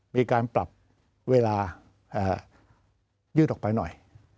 มีการปรับเวลายืดออกไปหน่อย